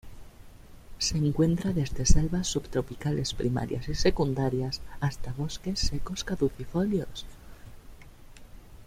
Se encuentra desde selvas subtropicales primarias y secundarias hasta bosques secos caducifolios.